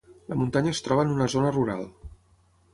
La muntanya es troba en una zona rural.